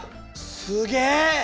すげえ！